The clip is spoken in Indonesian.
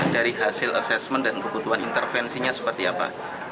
dari hasil asesmen dan kebutuhan intervensinya seperti apa